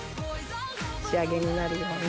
仕上げになります。